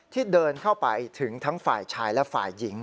ที่เดินเข้าไปถึงทั้งฝ่ายชายและฝ่ายหญิง